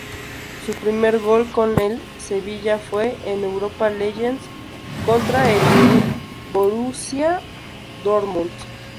Su primer gol con el Sevilla fue en Europa League contra el Borussia Dortmund.